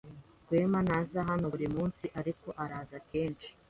Rwema ntaza hano buri munsi, ariko araza kenshi.